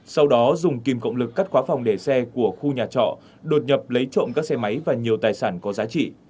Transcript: sau đó dùng kìm cộng lực cắt khóa phòng để xe của khu nhà trọ đột nhập lấy trộm các xe máy và nhiều tài sản có giá trị